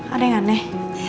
ada yang aneh